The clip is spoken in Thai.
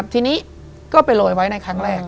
ทีนี้ก็ไปโรยไว้ในครั้งแรก